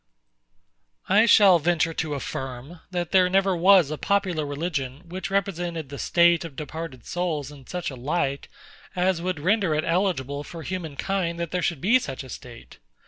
I shall venture to affirm, that there never was a popular religion, which represented the state of departed souls in such a light, as would render it eligible for human kind that there should be such a state.